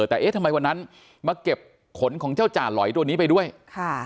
แต่เอ๊ะทำไมวันนั้นมาเก็บขนของเจ้าจ่าหลอยตัวนี้ไปด้วยค่ะ